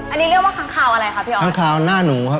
อันนี้เรียกว่าค้างคาวอะไรคะพี่ออสค้างคาวหน้าหนูครับ